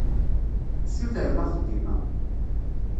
Tessutrem axeddim-a.